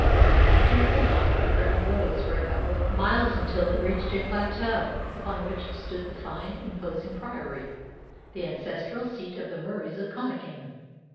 From the margin of the loch the ground rose for a couple of miles until it reached a plateau upon which stood the fine, imposing Priory, the ancestral seat of the Muries of Connachan.